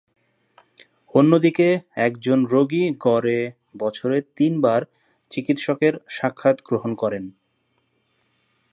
অন্যদিকে একজন রোগী গড়ে বছরে তিনবার চিকিৎসকের সাক্ষাৎ গ্রহণ করেন।